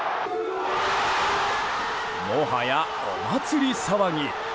もはや、お祭り騒ぎ。